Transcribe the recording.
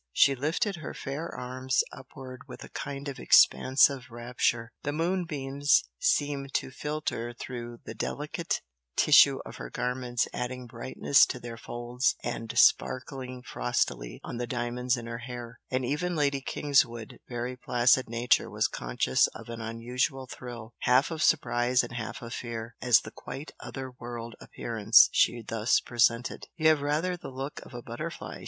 She lifted her fair arms upward with a kind of expansive rapture, the moonbeams seemed to filter through the delicate tissue of her garments adding brightness to their folds and sparkling frostily on the diamonds in her hair, and even Lady Kingswood's very placid nature was conscious of an unusual thrill, half of surprise and half of fear, at the quite "other world" appearance she thus presented. "You have rather the look of a butterfly!"